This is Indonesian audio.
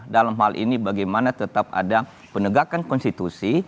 dalam hal ini bagaimana tetap ada penegakan konstitusi